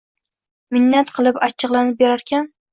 Minnat kilib achchiglanib berarkan